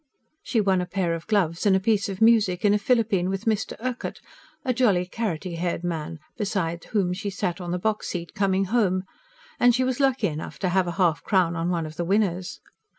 She won a pair of gloves and a piece of music in a philippine with Mr Urquhart, a jolly, carroty haired man, beside whom she sat on the box seat coming home; and she was lucky enough to have half a crown on one of the winners.